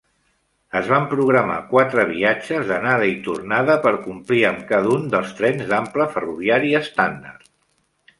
Es van programar quatre viatges d'anada i tornada per complir amb cada un dels trens d'ample ferroviari estàndard.